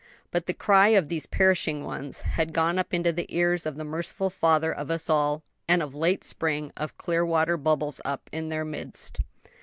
But the cry of these perishing ones had gone up into the ears of the merciful Father of us all, and of late a spring of clear water bubbles up in their midst.